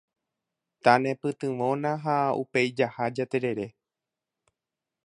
Tanepytyvõna ha upéi jaha jaterere.